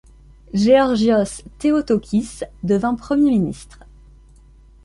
Geórgios Theotókis devint Premier ministre.